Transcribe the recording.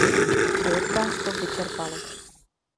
A jak vás to vyčerpalo!